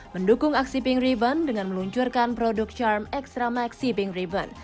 mendukung aksi pink ribbon dengan meluncurkan produk charm x ramax si pink ribbon